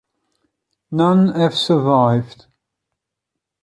None have survived.